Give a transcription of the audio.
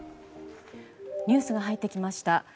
ニュースが入ってきました。